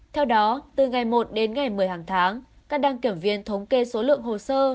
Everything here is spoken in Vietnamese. theo đó từ ngày một đến ngày một mươi hàng tháng các đăng kiểm viên thống kê số lượng hồ sơ